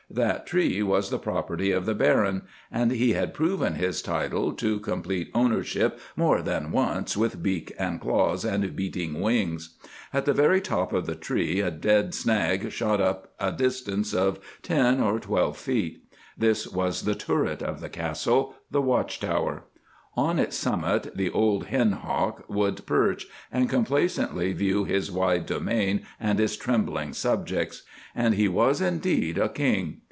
That tree was the property of the Baron, and he had proven his title to complete ownership more than once with beak and claws and beating wings. At the very top of the tree a dead snag shot up a distance of ten or twelve feet. This was the turret of the castle—the watch tower. On its summit the old hen hawk would perch, and complacently view his wide domain and his trembling subjects. And he was indeed a king.